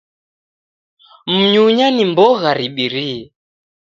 Mnyunya ni mbogha ribirie